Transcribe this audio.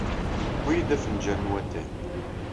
Tuwey-iyi-d afenjal n watay.